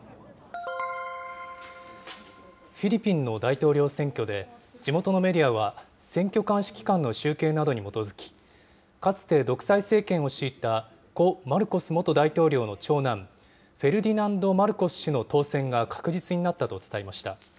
フィリピンの大統領選挙で、地元のメディアは選挙監視機関の集計に基づき、かつて独裁政権を敷いた故・マルコス元大統領の長男、フェルディナンド・マルコス氏の当選が確実になったと伝えました。